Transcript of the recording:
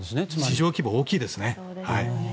市場規模大きいですね。